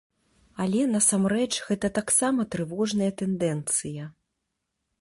Але насамрэч гэта таксама трывожная тэндэнцыя.